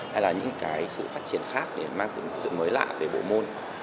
hay là những cái sự phát triển khác để mang sự mới lạ về bộ môn